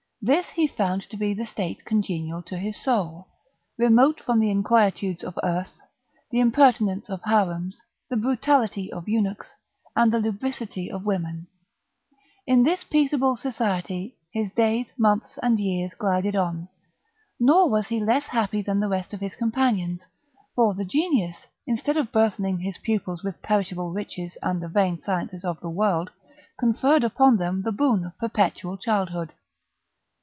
This he found to be the state congenial to his soul; remote from the inquietudes of earth, the impertinence of harems, the brutality of eunuchs, and the lubricity of women: in this peacable society, his days, months, and years glided on; nor was he less happy than the rest of his companions; for the Genius, instead of burthening his pupils with perishable riches and the vain sciences of the world, conferred upon them the boon of perpetual childhood.